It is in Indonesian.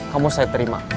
kamu saya terima